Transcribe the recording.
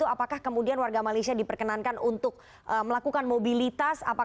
apakah kemudian warga malaysia diperkenankan untuk melakukan mobilitas